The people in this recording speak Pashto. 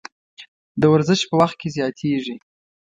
د ورزش په وخت کې زیاتیږي.